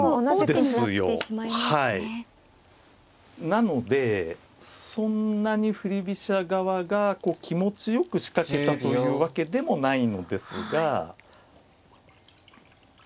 なのでそんなに振り飛車側が気持ちよく仕掛けたというわけでもないのですが。